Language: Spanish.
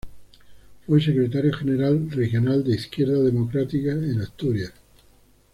Fue secretario general regional de Izquierda Democrática en Asturias.